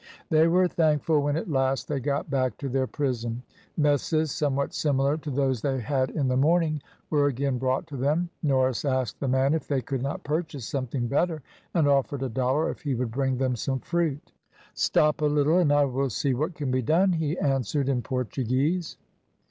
They were thankful when at last they got back to their prison. Messes somewhat similar to those they had in the morning were again brought to them. Norris asked the man if they could not purchase something better, and offered a dollar if he would bring them some fruit. "Stop a little, and I will see what can be done," he answered in Portuguese.